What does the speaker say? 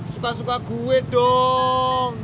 suka suka gue dong